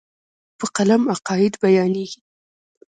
په قلم عقاید بیانېږي.